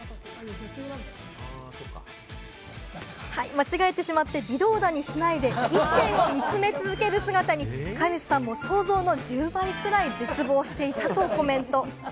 間違えてしまって、微動だにしないで一点を見つめ続ける姿に飼い主さんも想像の１０倍くらい絶望していたとコメント。